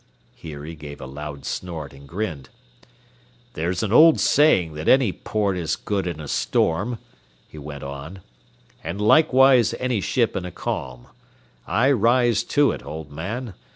Here he gave a loud snort and grinned. "There's an old sayin' that any port is good in a storm," he went on, "an' likewise any ship in a calm. I rise to it, old man.